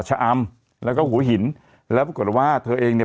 ชะอำแล้วก็หัวหินแล้วปรากฏว่าเธอเองเนี่ย